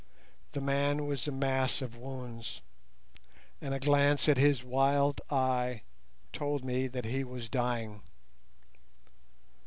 The man was a mass of wounds, and a glance at his wild eye told me that he was dying.